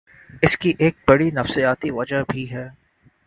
اس کی ایک بڑی نفسیاتی وجہ بھی ہے۔